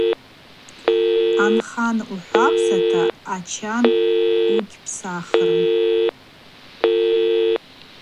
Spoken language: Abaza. Анхан ухӏвапсата, ачан угьхӏвапсахрым.